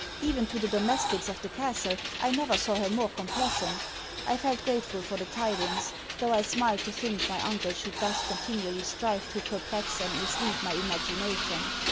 Even to the domestics of the castle I never saw her more complacent. I felt grateful for the tidings; though I smiled to think my uncle should thus continually strive to perplex and mislead my imagination.